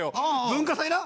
文化祭な？